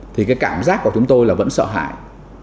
thì cái cảm giác của chúng tôi là vẫn sợ hại